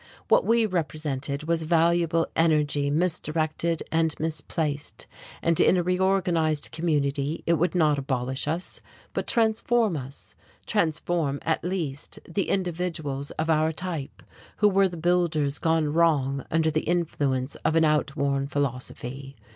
What we represented was valuable energy misdirected and misplaced, and in a reorganized community he would not abolish us, but transform us: transform, at least, the individuals of our type, who were the builders gone wrong under the influence of an outworn philosophy.